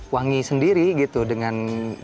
wangi sendiri gitu dengan